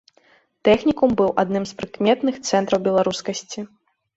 Тэхнікум быў адным з прыкметных цэнтраў беларускасці.